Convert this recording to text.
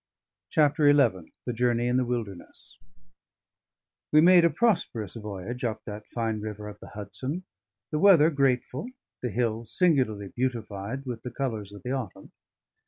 CHAPTER XI THE JOURNEY IN THE WILDERNESS We made a prosperous voyage up that fine river of the Hudson, the weather grateful, the hills singularly beautified with the colours of the autumn.